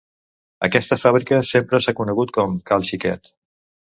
Aquesta fàbrica sempre s'ha conegut com cal Xiquet.